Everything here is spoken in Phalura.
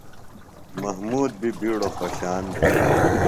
محمود بی ِبیڈوۡ خوۡشان دےۡ۔